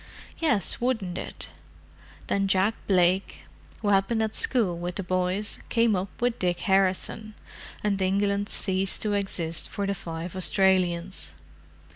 "Yes, wouldn't it?" Then Jack Blake, who had been at school with the boys, came up with Dick Harrison, and England ceased to exist for the five Australians.